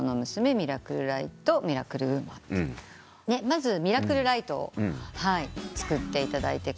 まず『ミラクルライト』作っていただいて。